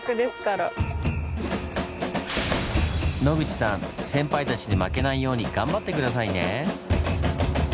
野口さん先輩たちに負けないように頑張って下さいね！